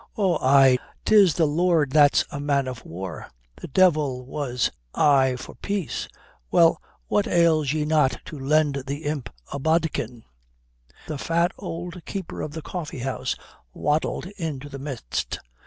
"Oh ay, 'tis the Lord that's a man of war. The devil was aye for peace. Well, what ails ye not to lend the imp a bodkin?" The fat old keeper of the coffee house waddled into the midst.